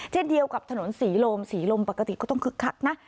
เช่นเดียวกับถนนศรีลมศรีลมปกติก็ต้องคึกคักนะ